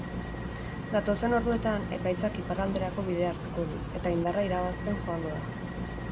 Datozen orduetan, ekaitzak iparralderako bidea hartuko du eta indarra irabazten joango da.